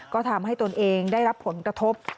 ก็ทำให้ตนเองได้รับผลกระทบ